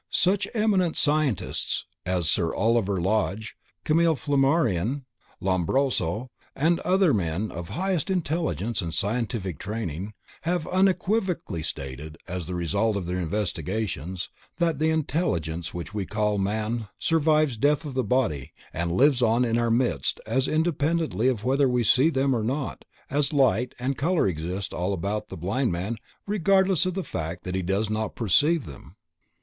Such eminent scientists as Sir Oliver Lodge, Camille Flammarion, Lombroso and other men of highest intelligence and scientific training, have unequivocally stated as the result of their investigations, that the intelligence which we call man survives death of the body and lives on in our midst as independently of whether we see them or not as light and color exist all about the blind man regardless of the fact that he does not perceive them.